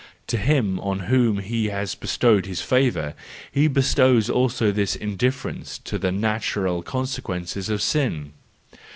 —to him on whom he has bestowed his favour he bestows also this indiffer¬ ence to the natural consequences of sin.